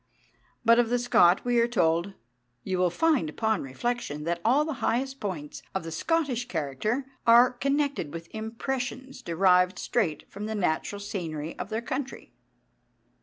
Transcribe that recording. But of the Scot we are told, "You will find upon reflection that all the highest points of the Scottish character are connected with impressions derived straight from the natural scenery of their country."